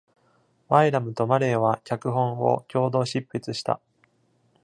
バイラムとマレーは脚本を共同執筆した。